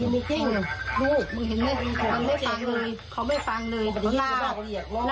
มึงเห็นไม่จริงลูกมึงเห็นไม่มันไม่ฟังเลยเขาไม่ฟังเลย